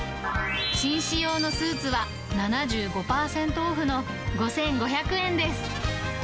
紳士用のスーツは７５％オフの５５００円です。